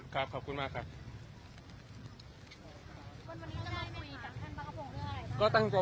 ท่านวันนี้จะมาคุยกับท่านเขาต้องค่อยไง